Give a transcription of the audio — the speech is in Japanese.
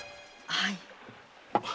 はい。